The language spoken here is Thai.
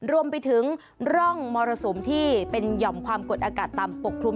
รวมไปถึงร่องมรสุมที่เป็นหย่อมความกดอากาศต่ำปกคลุม